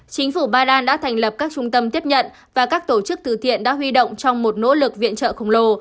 chính phủ ba lan đã thành lập các trung tâm tiếp nhận và các tổ chức từ thiện đã huy động trong một nỗ lực viện trợ khổng lồ